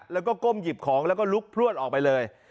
แล้วก็ก้มหยิบของแล้วก็ลุกพลวดออกไปเลย